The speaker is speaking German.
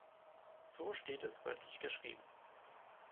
So steht es wörtlich geschrieben.